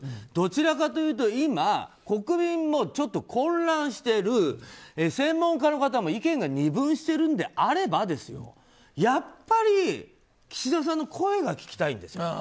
どちらかというと今国民もちょっと混乱してる専門家の方も意見が二分しているんであればやっぱり岸田さんの声が聞きたいんですよ。